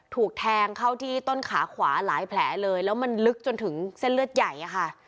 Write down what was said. ถูกแทงเข้าที่ต้นขาขวาหลายแผลเลยแล้วมันลึกจนถึงเส้นเลือดใหญ่อะค่ะ